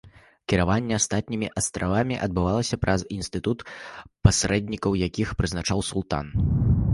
Кіраванне астатнімі астравамі адбывалася праз інстытут пасрэднікаў, якіх прызначаў султан.